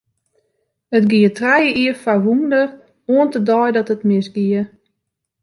It gie trije jier foar wûnder, oant de dei dat it misgie.